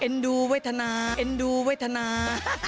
ดูเวทนาเอ็นดูเวทนา